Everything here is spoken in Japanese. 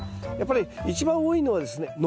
やっぱり一番多いのはですね